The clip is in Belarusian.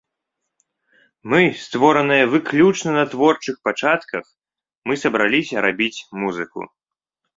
Мы створаныя выключна на творчых пачатках, мы сабраліся рабіць музыку.